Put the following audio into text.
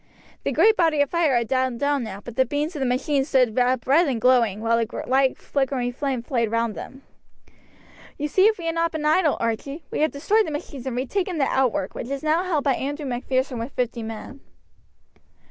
The great body of fire had died down now, but the beams of the machines stood up red and glowing, while a light flickering flame played round them. "You see we have not been idle, Archie. We have destroyed the machines, and retaken the outwork, which is now held by Andrew Macpherson with fifty men."